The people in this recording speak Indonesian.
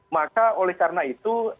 maka oleh karena itu